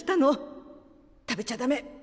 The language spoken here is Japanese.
食べちゃダメ！